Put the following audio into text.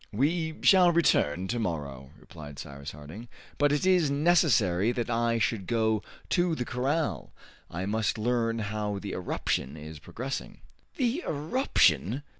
"We shall return to morrow," replied Cyrus Harding, "but it is necessary that I should go to the corral. I must learn how the eruption is progressing." "The eruption!